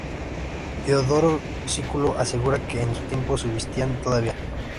Diodoro Sículo asegura que en su tiempo subsistían todavía.